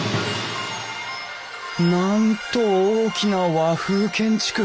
なんと大きな和風建築。